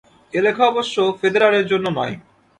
এ লেখা অবশ্য ফেদেরারের জন্য নয়।